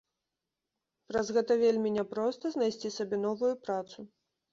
Праз гэта вельмі не проста знайсці сабе новую працу.